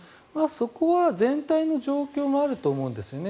そこは全体の状況もあると思うんですよね。